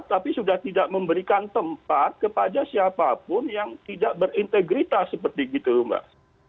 tapi sudah tidak memberikan tempat kepada siapapun yang tidak berintegritas seperti gitu mbak